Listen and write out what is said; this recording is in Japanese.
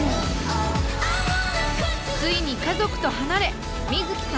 ついに家族と離れ瑞樹さん